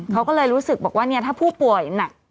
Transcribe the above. เขาก็เลยรู้สึกบอกว่าเนี่ยถ้าผู้ป่วยหนัก